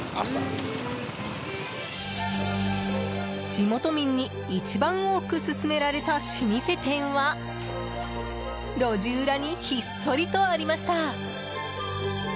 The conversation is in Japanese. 地元民に一番多く勧められた老舗店は路地裏にひっそりとありました。